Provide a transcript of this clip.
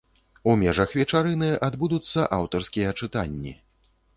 У межах вечарыны адбудуцца аўтарскія чытанні.